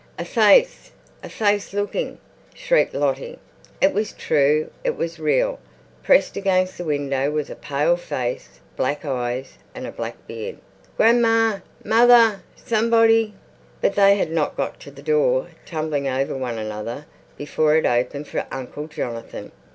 "A face—a face looking!" shrieked Lottie. It was true, it was real. Pressed against the window was a pale face, black eyes, a black beard. "Grandma! Mother! Somebody!" But they had not got to the door, tumbling over one another, before it opened for Uncle Jonathan.